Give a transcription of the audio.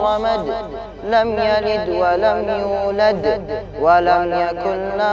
am embroidering masih ada